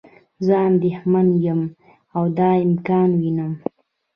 زه اندیښمند یم او دا امکان وینم.